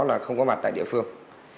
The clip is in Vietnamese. là không có mặt tại địa phương